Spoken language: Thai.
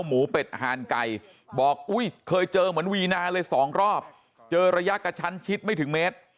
หมูเป็ดหานไก่บอกอุ้ยเคยเจอเหมือนวีนาเลยสองรอบเจอระยะกระชั้นชิดไม่ถึงเมตร